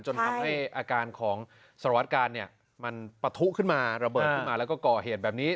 จนให้อาการของสรวจการณ์อะมันปัดถุขึ้นมาระเบิดขึ้นมาแล้วก็เกาะเหตุแบบนี้